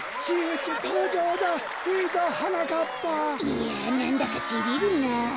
いやなんだかてれるなあ。